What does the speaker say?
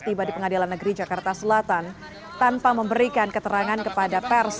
tiba di pengadilan negeri jakarta selatan tanpa memberikan keterangan kepada pers